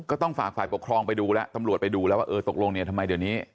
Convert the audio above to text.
ก็ต้องฝากฝ่ายปกครองไปดูแล้วตำรวจไปดูแล้วว่าเออตกลงเนี่ยทำไมเดี๋ยวนี้